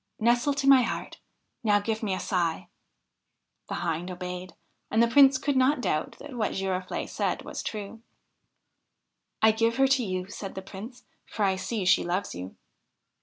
' Nestle to my heart ! Now give me a sigh !' The Hind obeyed, and the Prince could not doubt that what Girofl6e said was true. ' I give her to you,' said the Prince ;' for I see she loves you.'